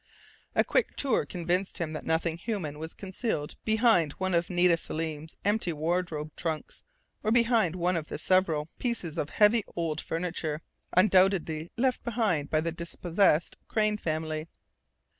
A quick tour convinced him that nothing human was concealed behind one of Nita Selim's empty wardrobe trunks, or behind one of the several pieces of heavy old furniture, undoubtedly left behind by the dispossessed Crain family.